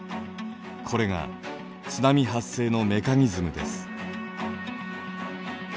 これが津波発生のメカニズムです。